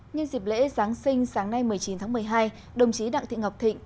nhân dịp lễ giáng sinh sáng nay một mươi chín tháng một mươi hai đồng chí đặng thị ngọc thịnh